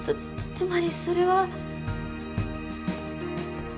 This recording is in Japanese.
つまりそれは。